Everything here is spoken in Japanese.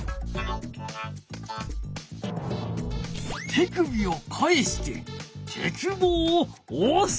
手首を返して鉄棒をおす。